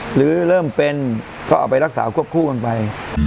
หรือเริ่มเป็นก็เอาไปรักษาควบคู่กันไป